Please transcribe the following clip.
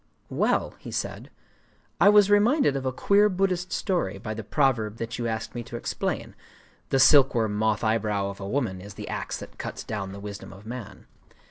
"Well," he said, "I was reminded of a queer Buddhist story by the proverb that you asked me to explain,—_The silkworm moth eyebrow of a woman is the axe that cuts down the wisdom of man.